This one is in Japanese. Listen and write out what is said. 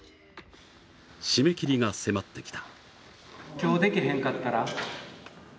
締め切りが迫ってきた。